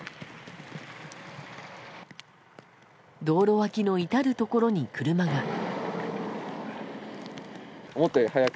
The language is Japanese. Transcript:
道路脇の至るところに車が。